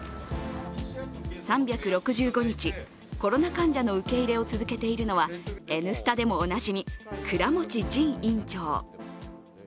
３６５日、コロナ患者の受け入れを続けているのは「Ｎスタ」でもおなじみ、倉持仁院長。